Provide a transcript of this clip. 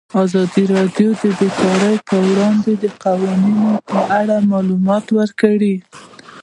ازادي راډیو د بیکاري د اړونده قوانینو په اړه معلومات ورکړي.